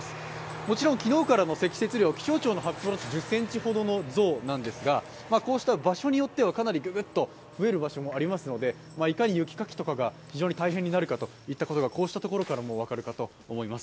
もちろん、昨日からの気象庁の発表は２０ｃｍ増なんですがこうした場所によっては、かなりググッと増える場所もありますのでいかに雪かきが非常に大変になるかということがこういうことからも分かると思います。